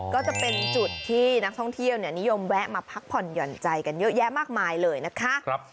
ก็จะเป็นจุดที่นักท่องเที่ยวนิยมแวะมาพักผ่อนหย่อนใจกันเยอะแยะมากมายเลยนะคะ